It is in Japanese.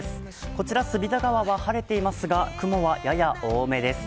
こちら隅田川は晴れていますが雲はやや多めです。